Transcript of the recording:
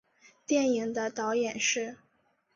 电影的导演是。